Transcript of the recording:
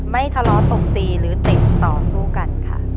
ไม่ทะเลาะตบตีหรือติดต่อสู้กันค่ะ